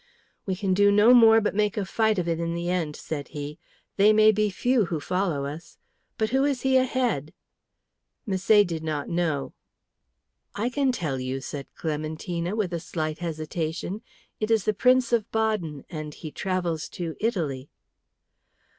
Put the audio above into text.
"We can do no more, but make a fight of it in the end," said he. "They may be few who follow us. But who is he ahead?" Misset did not know. "I can tell you," said Clementina, with a slight hesitation. "It is the Prince of Baden, and he travels to Italy."